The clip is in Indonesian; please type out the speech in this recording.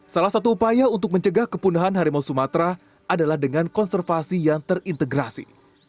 salah satu upaya untuk mencegah kepunahan harimau sumatera adalah dengan konservasi yang terintegrasi